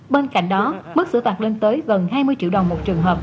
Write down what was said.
bên cạnh đó mức xử phạt lên tới gần hai mươi triệu đồng một trường hợp